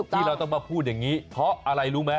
ที่เราต้องมาพูดอย่างนี้เพราะอะไรรู้ไหม